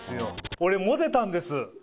俺モテたんです！